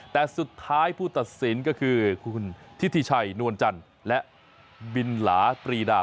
แต่สุดท้ายผู้ตัดสินก็คือคุณทิธิชัยนวลจันทร์และบินหลาตรีดา